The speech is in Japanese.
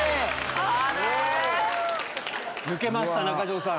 あれ⁉抜けました中条さん。